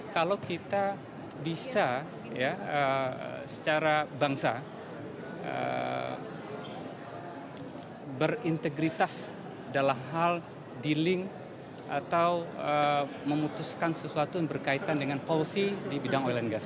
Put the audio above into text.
kalau kita bisa secara bangsa berintegritas dalam hal dealing atau memutuskan sesuatu yang berkaitan dengan policy di bidang oil and gas